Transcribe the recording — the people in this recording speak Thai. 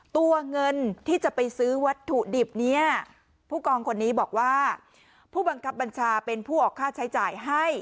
ตัวเงินที่จะไปซื้อวัตถุดิบนี้ผู้กองคนนี้บอกว่าผู้บังคับบัญชาเป็นผู้ออกค่าใช้จ่ายให้